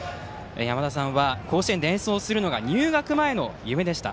やまださんは甲子園で演奏するのが入学前の夢でした。